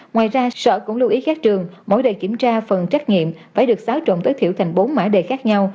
ngoài ra sở cũng lưu ý các trường mỗi đề kiểm tra phần trách nhiệm phải được xáo trộn tối thiểu thành bốn mã đề khác nhau